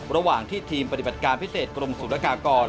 ระหว่างที่ทีมปฏิบัติการพิเศษกรมศูนยากากร